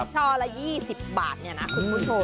ช่อละ๒๐บาทคุณผู้โฉน